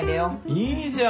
いいじゃん。